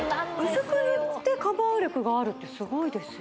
薄く塗ってカバー力があるってすごいですよ